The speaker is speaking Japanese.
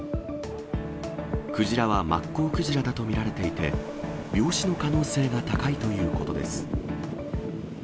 クジラはマッコウクジラだと見られていて、病死の可能性が高いということです。